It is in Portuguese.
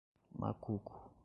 Macuco